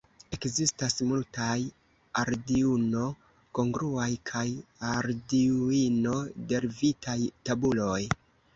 Ekzistas multaj Arduino-kongruaj kaj Arduino-derivitaj tabuloj.